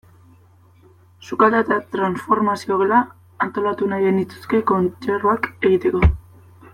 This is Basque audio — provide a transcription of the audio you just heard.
Sukaldea eta transformazio gela antolatu nahi genituzke kontserbak egiteko.